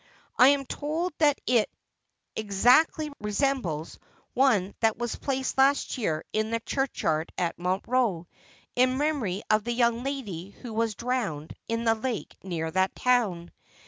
I am told that it exactly resembles one that was placed last year in the church yard at Montreux, in memory of the young lady who was drowned in the lake near that town.